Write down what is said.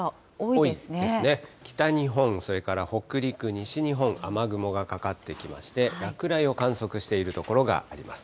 北日本、それから北陸、西日本、雨雲がかかってきまして、落雷を観測している所があります。